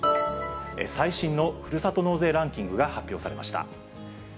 最新のふるさと納税ランキングが発表されました。